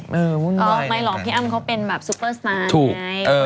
ก็ไม่หรอกพี่อ้ำเขาเป็นแบบซุปเปอร์สตาร์ไง